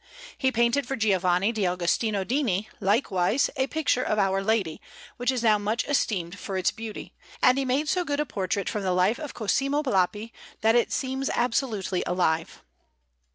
He painted for Giovanni d' Agostino Dini, likewise, a picture of Our Lady, which is now much esteemed for its beauty; and he made so good a portrait from life of Cosimo Lapi, that it seems absolutely alive.